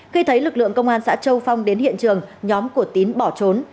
khi thấy lực lượng công an xã châu phong đến hiện trường nhóm của tín bỏ trốn